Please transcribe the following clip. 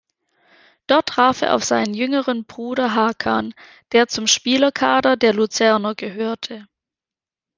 Dort traf er auf seinen jüngeren Bruder Hakan, der zum Spielerkader der Luzerner gehörte.